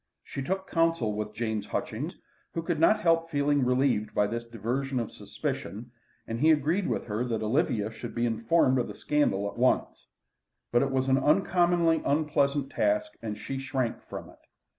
She took counsel with James Hutchings, who could not help feeling relieved by this diversion of suspicion, and he agreed with her that Olivia should be informed of the scandal at once. But it was an uncommonly unpleasant task, and she shrank from it.